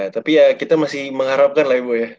tapi ya kita masih mengharapkan lah ibu ya